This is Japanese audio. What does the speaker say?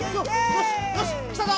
よしよしきたぞ！